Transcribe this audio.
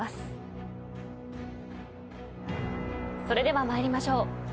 それでは参りましょう。